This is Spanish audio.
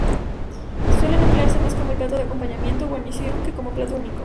Suelen emplearse más como plato de acompañamiento o guarnición que como plato único.